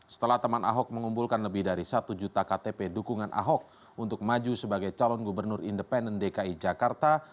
setelah teman ahok mengumpulkan lebih dari satu juta ktp dukungan ahok untuk maju sebagai calon gubernur independen dki jakarta